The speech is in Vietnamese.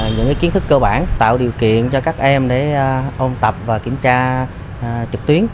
những kiến thức cơ bản tạo điều kiện cho các em để ôn tập và kiểm tra trực tuyến